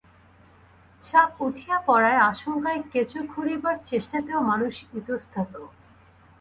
সাপ উঠিয়া পড়ার আশঙ্কায় কেঁচো খুঁড়িবার চেষ্টাতেও মানুষ ইতস্তত।